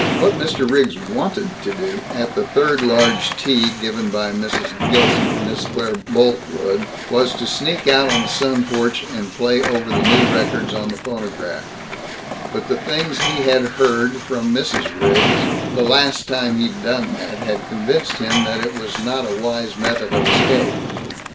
What Mr. Riggs wanted to do, at the third large tea given by Mrs. Gilson for Miss Claire Boltwood, was to sneak out on the sun porch and play over the new records on the phonograph; but the things he had heard from Mrs. Riggs the last time he'd done that had convinced him that it was not a wise method of escape.